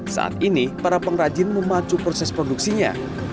saat ini para pengrajin memacu proses produksinya